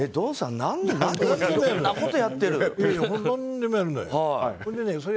何でもやるんだよ。